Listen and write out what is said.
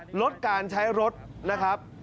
ลดการใช้รถนะครับ